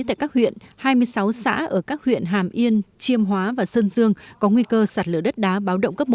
tại các huyện hai mươi sáu xã ở các huyện hàm yên chiêm hóa và sơn dương có nguy cơ sạt lở đất đá báo động cấp một